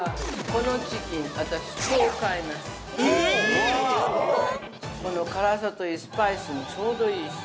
この辛さといいスパイスもちょうどいいし。